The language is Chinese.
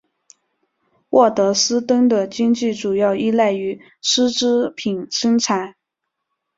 沃德斯登的经济主要依赖于丝织品生产。